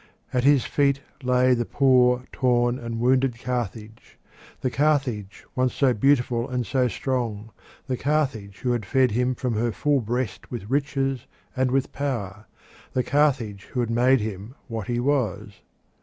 At this feet lay the poor, torn, and wounded Carthage the Carthage once so beautiful and so strong, the Carthage who had fed him from her full breast with riches and with power, the Carthage who had made him what he was.